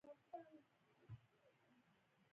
نو زما زړه به له ډاره ورانېده.